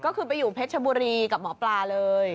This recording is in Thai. ก็คือไปอยู่เพชรชบุรีกับหมอปลาเลย